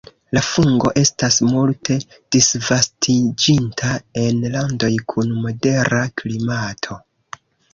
La fungo estas multe disvastiĝinta en landoj kun modera klimato.